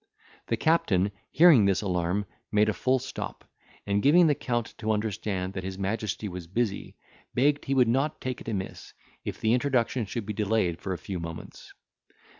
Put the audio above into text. The captain, hearing this alarm, made a full stop, and, giving the Count to understand that his majesty was busy, begged he would not take it amiss, if the introduction should be delayed for a few moments.